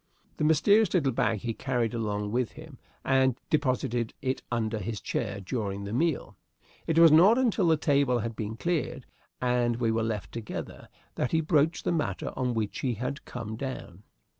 The mysterious little bag he carried along with him, and deposited it under his chair during the meal. It was not until the table had been cleared and we were left together that he broached the matter on which he had come down.